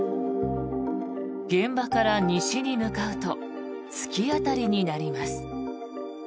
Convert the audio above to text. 現場から西に向かうと突き当たりになります。